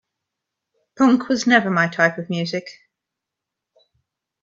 Punk was never my type of music.